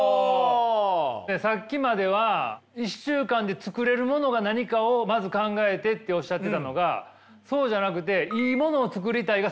さっきまでは１週間で作れるものが何かをまず考えてっておっしゃってたのがそうじゃなくて「いいものを作りたいが」